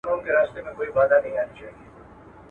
همېشه به وه روان پکښي جنگونه.